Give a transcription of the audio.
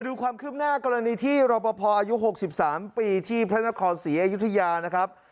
ดูความคืบหน้ากรณีที่รอปภอายุ๖๓ปีที่พระนครศรีอยุธยานะครับ